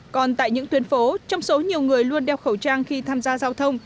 còn tại những tuyến phố trong số nhiều người luôn đeo khẩu trang khi tham gia giao thông